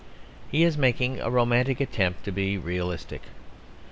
He is making a romantic attempt to be realistic.